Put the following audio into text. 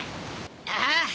ああ！